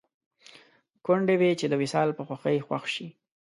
ګوندې وي چې د وصال په خوښۍ خوښ شي